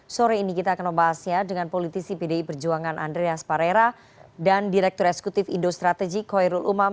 sore ini kita akan membahasnya dengan politisi pdi perjuangan andreas parera dan direktur eksekutif indo strategik koirul umam